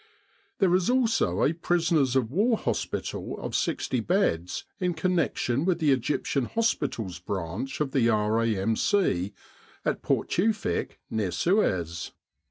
There is also a Prisoners of War Hospital of 60 beds in connection with the Egyptian Hospitals branch of the R.A.M.C. at Port Tewfik, near Suez.